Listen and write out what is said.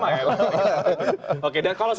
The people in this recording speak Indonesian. oke dan kalau soal pemilihan nama nama ini